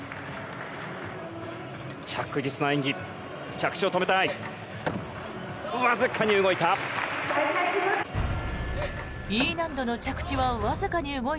着実な演技、着地を止めたい。